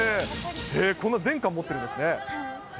こんな、全巻持っているんですね。